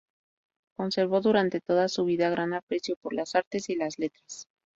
Conservó durante toda su vida gran aprecio por las artes y las letras.